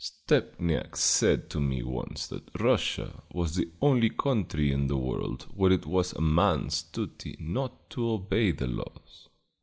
Stepniak said to me once that Russia was the only country in the world where it was a man's duty not to obey the laws.